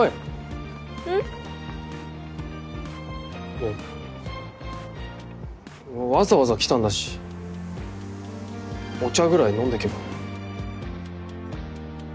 いやわざわざ来たんだしお茶ぐらい飲んでけば？